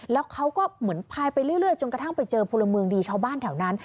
แล้วเขาก็เหมือนพายไปเรื่อยจนกระทั่งไปเจอพลเมืองดีชาวบ้านแถวนั้น